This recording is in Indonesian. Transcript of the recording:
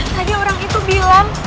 tadi orang itu bilang